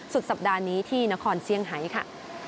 สุดสัปดาห์นี้ที่นครเซี่ยงไฮค่ะ